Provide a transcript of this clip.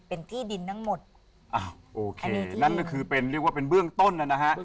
เป็นที่ดินทั้งหมดอ้าวโอเคนั่นก็คือเป็นเรียกว่าเป็นเบื้องต้นนะฮะ